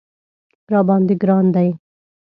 راباندې ګران دی